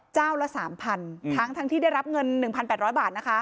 ละ๓๐๐๐ทั้งที่ได้รับเงิน๑๘๐๐บาทนะคะ